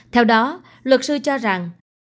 theo đó luật sư cho rằng